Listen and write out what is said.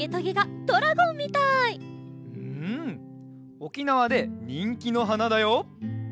おきなわでにんきのはなだよ！